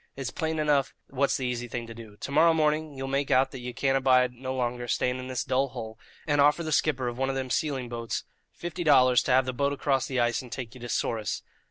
It's plain enough what's the easy thing to do. To morrow morning ye'll make out that ye can't abide no longer staying in this dull hole, and offer the skipper of one of them sealing boats fifty dollars to have the boat across the ice and take you to Souris.